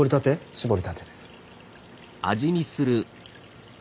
搾りたてです。